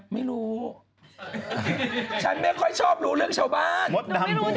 ไม่รู้จริงหนูไม่รู้เรื่อง